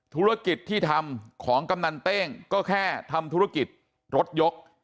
ธุรกิจที่ทำของกำนันเต้งก็แค่ทำธุรกิจรถยก